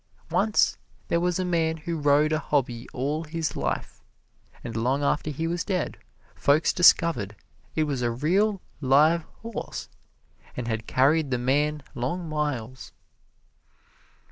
Once there was a man who rode a hobby all his life; and long after he was dead, folks discovered it was a real live horse and had carried the man long miles.